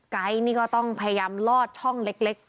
นี่ก็ต้องพยายามลอดช่องเล็ก